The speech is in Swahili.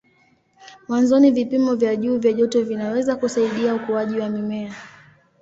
Mwanzoni vipimo vya juu vya joto vinaweza kusaidia ukuaji wa mimea.